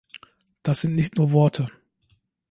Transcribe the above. Das sind nicht nur Worte.